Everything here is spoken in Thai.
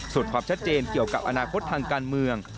ส่วนความชัดเจนเกี่ยวกับอนาคตทางการเมือง